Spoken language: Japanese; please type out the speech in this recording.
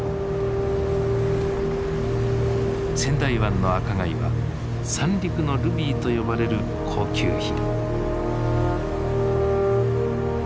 仙台湾の赤貝は三陸のルビーと呼ばれる高級品。